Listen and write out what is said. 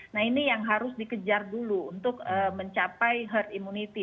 nah ini yang harus dikejar dulu untuk mencapai herd immunity